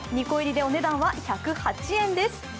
２個入りでお値段は１０８円です。